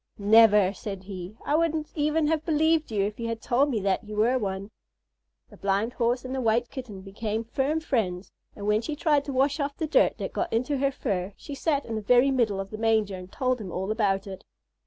"Never!" said he; "I wouldn't even have believed you if you had told me that you were one." The Blind Horse and the White Kitten became firm friends, and when she tried to wash off the dirt that got into her fur she sat in the very middle of the manger and told him all about it.